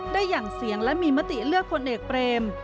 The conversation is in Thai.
ได้อย่างเสียงและมีมติเลือกคนเอกเบรม